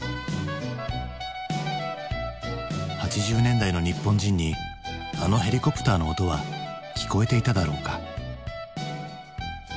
８０年代の日本人にあのヘリコプターの音は聞こえていただろうか？